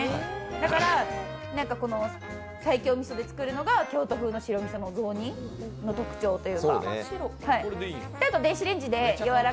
だから西京みそで作るのが京都風の白みそのお雑煮の特徴です。